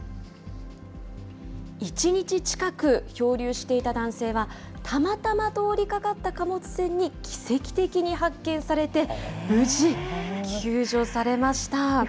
１日近く漂流していた男性は、たまたま通りかかった貨物船に奇跡的に発見されて、無事、救助されました。